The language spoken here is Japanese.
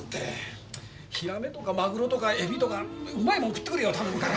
ヒラメとかマグロとかエビとかうまいもん食ってくれよ頼むから。